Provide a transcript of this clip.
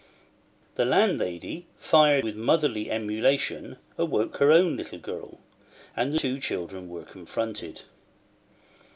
The landlady, fired with motherly emulation, awoke her own little girl; and the two children were confronted.